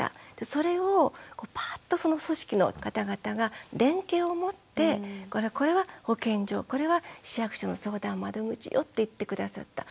それをパッとその組織の方々が連携を持ってこれは保健所これは市役所の相談窓口よって言って下さった。